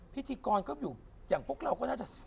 พิธีกรก็อยู่อย่างพวกเราก็น่าจะ